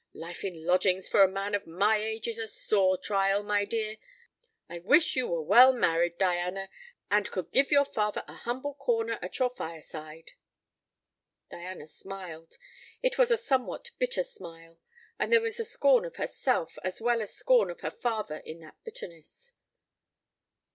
Life in lodgings for a man of my age is a sore trial, my dear. I wish you were well married, Diana, and could give your father a humble corner at your fireside." Diana smiled. It was a somewhat bitter smile; and there was scorn of herself, as well as scorn of her father in that bitterness.